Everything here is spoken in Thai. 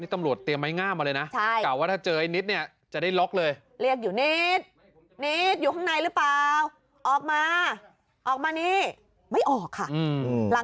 นี่ตำรวจเตรียมไม้ง่ามาเลยนะ